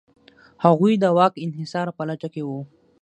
هغوی د واک انحصار په لټه کې و.